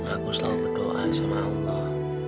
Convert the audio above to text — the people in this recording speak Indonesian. aku selalu berdoa sama allah